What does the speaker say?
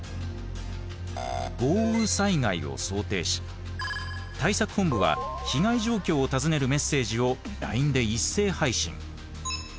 豪雨災害を想定し対策本部は被害状況を尋ねるメッセージをＬＩＮＥで一斉配信。